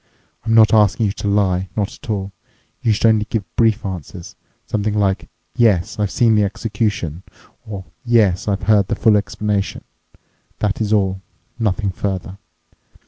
I'm not asking you to lie, not at all. You should only give brief answers—something like, 'Yes, I've seen the execution' or 'Yes, I've heard the full explanation.' That's all—nothing further.